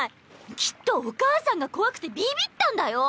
きっとお母さんが怖くてビビったんだよ。